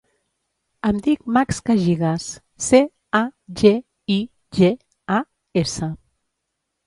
Em dic Max Cagigas: ce, a, ge, i, ge, a, essa.